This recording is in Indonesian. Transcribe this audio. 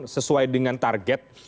sesuai dengan target